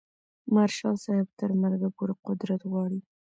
مارشال صاحب تر مرګه پورې قدرت غواړي.